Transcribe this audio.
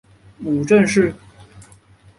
母郑氏。